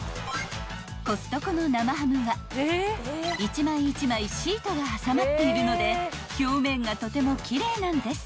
［コストコの生ハムは１枚１枚シートが挟まっているので表面がとても奇麗なんです］